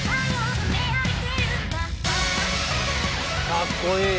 かっこいい！